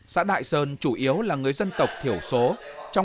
xã đại sơn chủ yếu là người dân tộc thiểu số